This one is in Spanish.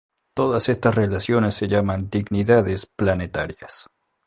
Todas estas relaciones se llaman dignidades planetarias.